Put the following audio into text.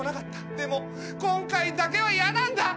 でも今回だけは嫌なんだ。